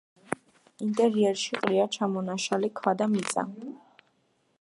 ინტერიერში ყრია ჩამონაშალი ქვა და მიწა.